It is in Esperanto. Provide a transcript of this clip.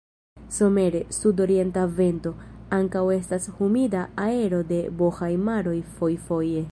Somere, sudorienta vento, ankaŭ estas humida aero de Bohaj-maro fojfoje.